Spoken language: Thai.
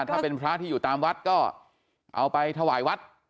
ถ้าเป็นพระที่อยู่ตามวัดก็เอาไปถวายวัด